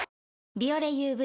「ビオレＵＶ」